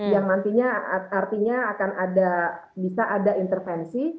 yang nantinya artinya akan ada bisa ada intervensi